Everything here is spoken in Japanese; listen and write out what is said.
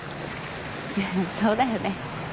そうだよね。